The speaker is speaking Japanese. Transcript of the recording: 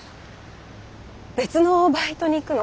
別のバイトに行くの。